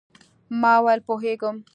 ما وویل، پوهېږم.